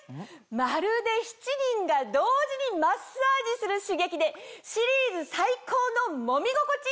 まるで７人が同時にマッサージする刺激でシリーズ最高のもみ心地！